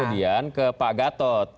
kemudian ke pak gatot